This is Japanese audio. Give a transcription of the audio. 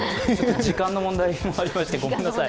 時間の問題もありましてごめんなさい